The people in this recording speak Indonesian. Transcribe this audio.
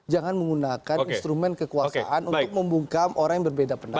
jangan menggunakan instrumen kekuasaan untuk membungkam orang yang berbeda pendapat